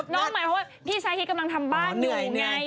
น้องเหมือนชายคลิดกำลังทำบ้านอยู่งัย